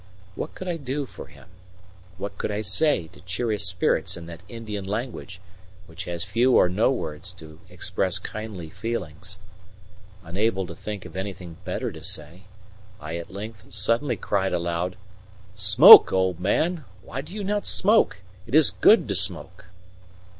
What could I do for him? What could I say to cheer his spirits in that Indian language, which has few or no words to express kindly feelings? Unable to think of anything better to say, I at length suddenly cried aloud: "Smoke, old man! Why do you not smoke? It is good to smoke."